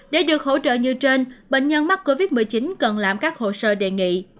để được hỗ trợ như trên bệnh nhân mắc covid một mươi chín cần làm các hồ sơ đề nghị